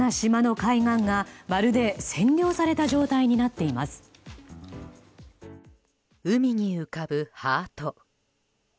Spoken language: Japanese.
海に浮かぶハート。